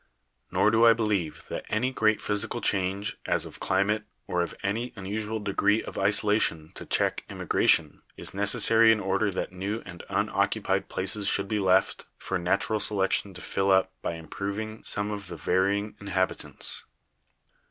"Nor do I believe that any great physical change, as of climate, or any unusual degree of isolation to check im migration, is necessary in order that new and unoccupied places should be left, for natural selection to fill up by improving some of the varying inhabitants.